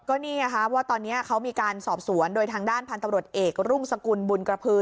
ก็นี่ไงคะว่าตอนนี้เขามีการสอบสวนโดยทางด้านพันธุ์ตำรวจเอกรุ่งสกุลบุญกระพือ